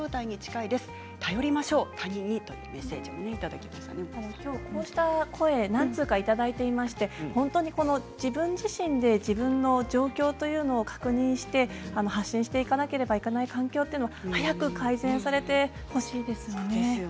きょうは、こうした声を何通かいただいていまして自分で自分の状況を確認して発信していかなければいけない環境が早く改善されてほしいですよね。